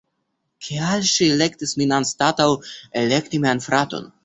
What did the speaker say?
Kial ŝi elektis min anstataŭ elekti mian fraton?